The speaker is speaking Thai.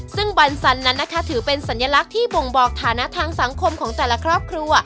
ซึ่งบันสันนั้นนะคะถือเป็นสัญลักษณ์ที่บ่งบอกฐานะทางสังคมของแต่ละครอบครัว